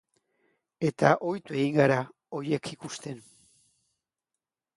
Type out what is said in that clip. Eta ohitu egin gara horiek ikusten.